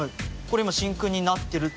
これ今真空になってる？